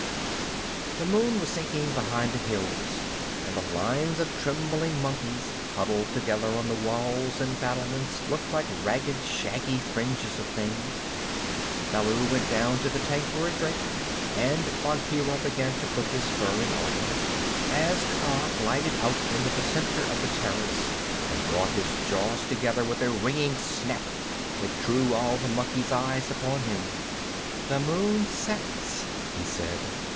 The moon was sinking behind the hills and the lines of trembling monkeys huddled together on the walls and battlements looked like ragged shaky fringes of things. Baloo went down to the tank for a drink and Bagheera began to put his fur in order, as Kaa glided out into the center of the terrace and brought his jaws together with a ringing snap that drew all the monkeys' eyes upon him. "The moon sets," he said.